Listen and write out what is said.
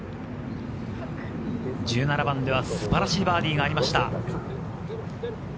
１７番では素晴らしいバーディーがありました。